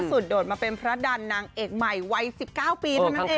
โดดมาเป็นพระดันนางเอกใหม่วัย๑๙ปีเท่านั้นเอง